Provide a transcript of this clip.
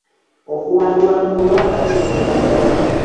Okuwangulwa mu kulonda kirumira ddala.